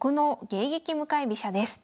迎撃向かい飛車」です。